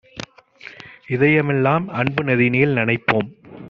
இதயமெலாம் அன்பு நதியினில் நனைப்போம்